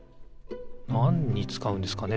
なんにつかうんですかね？